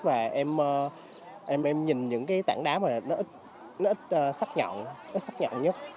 và em em nhìn những cái tảng đá mà nó ít sắc nhọn ít sắc nhọn nhất